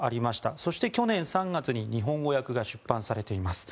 そして、去年３月に日本語訳が出版されています。